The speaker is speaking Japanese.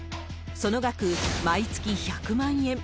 その額、毎月１００万円。